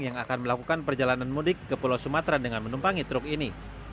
yang akan melakukan perjalanan mudik ke pulau sumatera dengan menumpangi truk ini